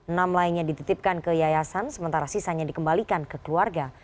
enam lainnya dititipkan ke yayasan sementara sisanya dikembalikan ke keluarga